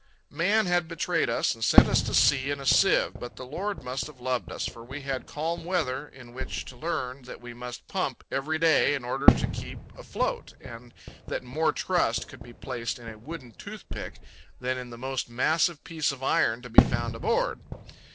Man had betrayed us and sent us to sea in a sieve, but the Lord must have loved us, for we had calm weather in which to learn that we must pump every day in order to keep afloat, and that more trust could be placed in a wooden toothpick than in the most massive piece of iron to be found aboard.